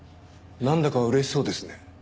なんだか嬉しそうですね。